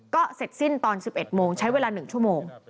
ก็เสร็จสิ้นตอน๑๑โมงใช้เวลา๑ชั่วโมง